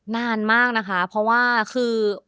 นานมากนะคะเพราะว่าคือ